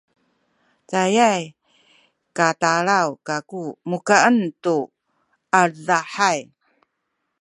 cayay katalul kaku mukan tu aledahay